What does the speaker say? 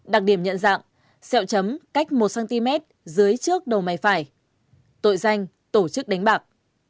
đặc điểm nhận dạng xeo chấm cách một cm dưới trước đầu máy phải tội danh tổ chức đánh bạc